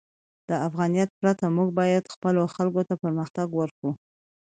د افغانیت پرته، موږ باید خپلو خلکو ته پرمختګ ورکړو.